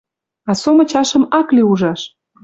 А со мычашым ак ли ужаш.